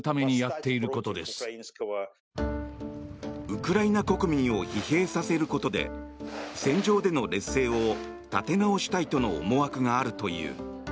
ウクライナ国民を疲弊させることで戦場での劣勢を立て直したいとの思惑があるという。